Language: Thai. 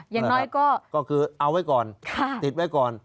อย่างน้อยก็คือเอาไว้ก่อนติดไว้ก่อน